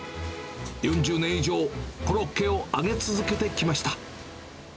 ４０年以上、コロッケを揚げ続けてきました。